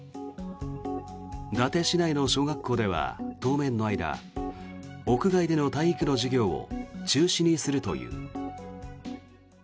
伊達市内の小学校では当面の間、屋外での体育の授業を中止にするという。